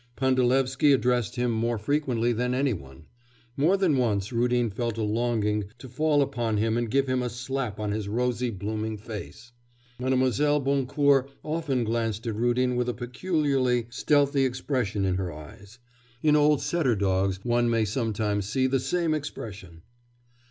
Pandalevsky addressed him more frequently than any one. More than once Rudin felt a longing to fall upon him and give him a slap on his rosy, blooming face. Mlle. Boncourt often glanced at Rudin with a peculiarly stealthy expression in her eyes; in old setter dogs one may sometimes see the same expression.